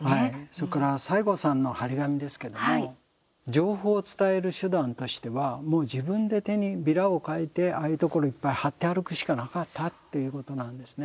それから西郷さんの貼り紙ですけども情報を伝える手段としてはもう自分でビラを書いてああいうところいっぱい貼って歩くしかなかったということなんですね。